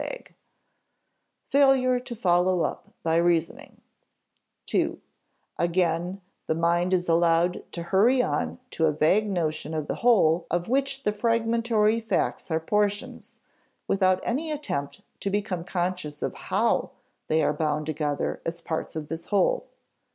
[Sidenote: Failure to follow up by reasoning] (ii) Again, the mind is allowed to hurry on to a vague notion of the whole of which the fragmentary facts are portions, without any attempt to become conscious of how they are bound together as parts of this whole.